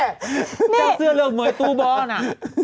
เจ้าเสื้อเลือกเมือกตูบอนอะ